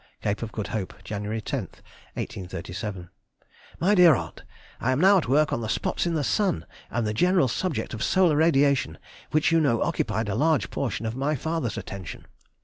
CAPE OF GOOD HOPE, Jan. 10, 1837. MY DEAR AUNT,— I am now at work on the spots in the sun, and the general subject of solar radiation, which you know occupied a large portion of my father's attention.